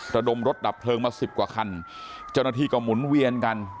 ระดมรถดับเพลิงมาสิบกว่าคันเจ้าหน้าที่ก็หมุนเวียนกัน